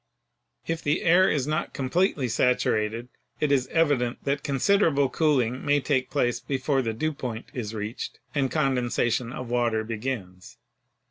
If the air is not completely saturated, it is evident that considerable cooling may take place before the "dew point" is reached and condensation of water begins.